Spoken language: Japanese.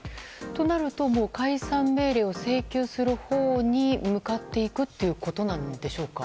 となると解散命令を請求するほうに向かっていくということでしょうか。